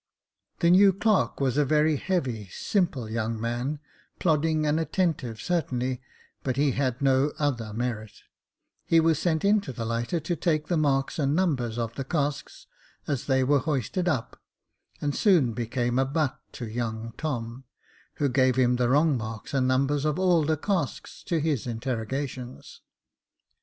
The new clerk was a very heavy, simple young man, plodding and attentive certainly, but he had no other merit ; he was sent into the lighter to take the marks and numbers of the casks as they were hoisted up, and soon became a butt to young Tom, who gave him the wrong marks and numbers of all the casks, to his interrogations.